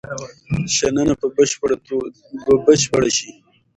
شننه به بشپړه شي.